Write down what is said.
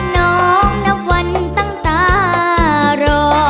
น้องนับวันตั้งตารอ